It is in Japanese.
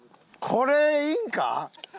これいいんか？